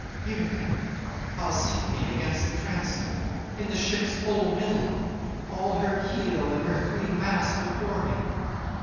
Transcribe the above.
Here, then, I'll seat me, against the transom, in the ship's full middle, all her keel and her three masts before me.